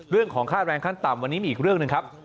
เรื่องของค่าแรงขั้นต่ำวันนี้มีอีกเรื่องหนึ่งครับ